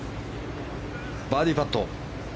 バーディーパット。